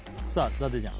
伊達ちゃん